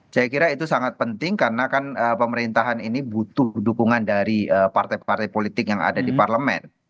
saya kira itu sangat penting karena kan pemerintahan ini butuh dukungan dari partai partai politik yang ada di parlemen